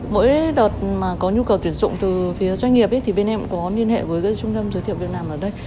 mỗi đợt mà có nhu cầu tuyển dụng từ phía doanh nghiệp thì bên em có liên hệ với trung tâm giới thiệu việc làm ở đây